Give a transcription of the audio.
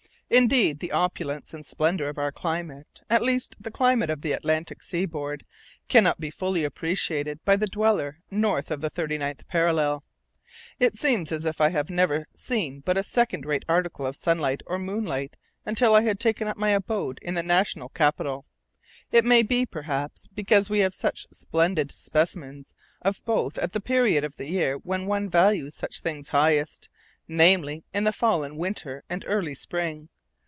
Indeed, the opulence and splendor of our climate, at least the climate of the Atlantic seaboard, cannot be fully appreciated by the dweller north of the thirty ninth parallel. It seemed as if I had never seen but a second rate article of sunlight or moonlight until I had taken up my abode in the National Capital. It may be, perhaps, because we have such splendid specimens of both at the period of the year when one values such things highest, namely, in the fall and winter and early spring.